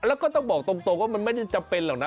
แล้วก็ต้องบอกตรงว่ามันไม่ได้จำเป็นหรอกนะ